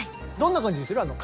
どんな感じする？